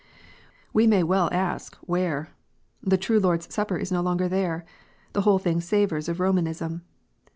We may well ask, Where? The true Lord s Supper is no longer there. The whole thing savours of Romanism.